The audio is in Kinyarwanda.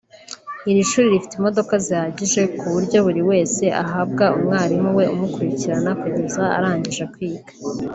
Iri shuri rifite imodoka zihagije ku buryo buri wese ahabwa umwarimu we umukurikirana kugeza arangije kwiga